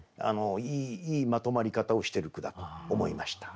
いいまとまり方をしてる句だと思いました。